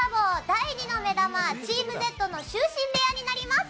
第２の目玉チームＺの就寝部屋になります。